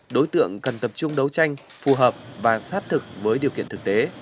đối tượng cần tập trung đấu tranh phù hợp và sát thực với điều kiện thực tế